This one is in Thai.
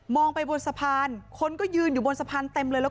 ไปบนสะพานคนก็ยืนอยู่บนสะพานเต็มเลยแล้ว